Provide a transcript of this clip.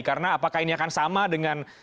karena apakah ini akan sama dengan